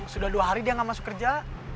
sudah dua hari dia gak masuk kerja